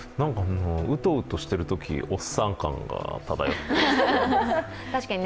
うとうとしているとき、おっさん感が漂っていますね。